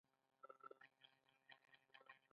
زۀ يم زمری پر دې نړۍ له ما اتل نيشته